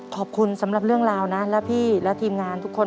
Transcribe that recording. สำหรับเรื่องราวนะและพี่และทีมงานทุกคน